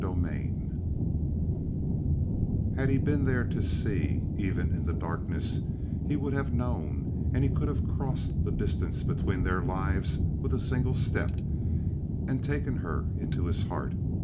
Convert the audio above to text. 26 Had he been there to see, even in the darkness he would have known, and he could have crossed the distance between their lives with a single step, and taken her into his heart.